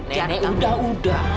nenek udah udah